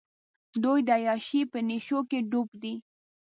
دوۍ د عیاشۍ په نېشوکې ډوب دي.